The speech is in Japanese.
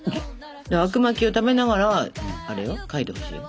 あくまきを食べながらあれよ描いてほしいよ。